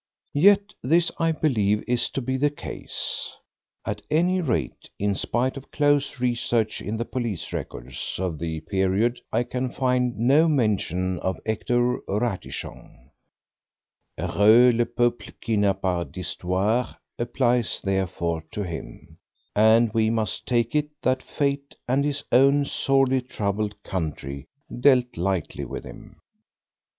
Yet this I believe to be the case. At any rate, in spite of close research in the police records of the period, I can find no mention of Hector Ratichon. "Heureux le peuple qui n'a pas d'histoire" applies, therefore, to him, and we must take it that Fate and his own sorely troubled country dealt lightly with him.